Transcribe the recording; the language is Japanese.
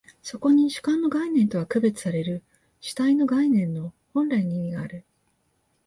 そこに主観の概念とは区別される主体の概念の本来の意味がある。